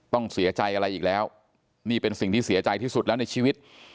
ต้องเสียใจอะไรอีกแล้วนี่เป็นสิ่งที่เสียใจที่สุดแล้วในชีวิต